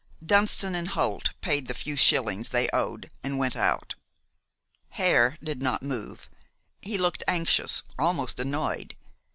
Dunston and Holt paid the few shillings they owed, and went out. Hare did not move. He looked anxious, almost annoyed.